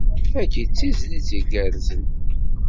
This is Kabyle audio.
Tagi d tizlit igerrzen.